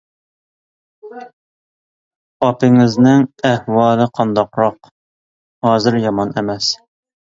-ئاپىڭىزنىڭ ئەھۋالى قانداقراق؟ -ھازىر يامان ئەمەس.